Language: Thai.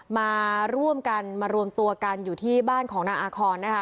มาร่วมกันมารวมตัวกันอยู่ที่บ้านของนางอาคอนนะคะ